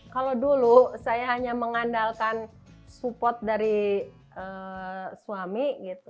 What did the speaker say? kalau dulu saya hanya mengandalkan support dari suami